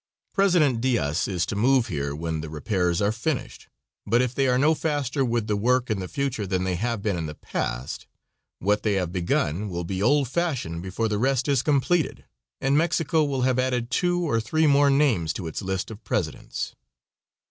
President Diaz is to move here when the repairs are finished; but if they are no faster with the work in the future than they have been in the past, what they have begun will be old fashioned before the rest is completed, and Mexico will have added two or three more names to its list of presidents.